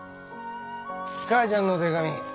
母ちゃんの手紙。